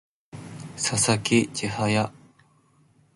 佐々木千隼